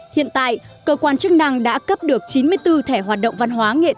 hiện tại cơ quan chức năng đã cấp được chín mươi bốn thẻ hoạt động văn hóa nghệ thuật